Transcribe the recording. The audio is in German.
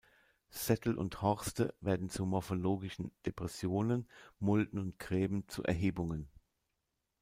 Sättel und Horste werden zu morphologischen Depressionen, Mulden und Gräben zu Erhebungen.